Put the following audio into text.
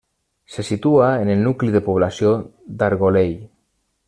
Se situa en el nucli de població d'Argolell.